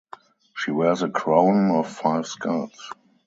She wears a crown of five skulls.